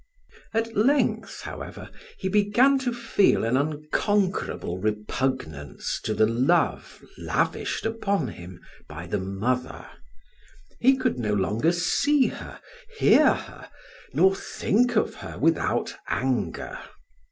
At length, however, he began to feel an unconquerable repugnance to the love lavished upon him by the mother; he could no longer see her, hear her, nor think of her without anger.